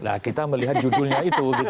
nah kita melihat judulnya itu